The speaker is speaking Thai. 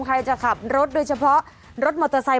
ใครจะขับรถโดยเฉพาะรถมอเตอร์ไซค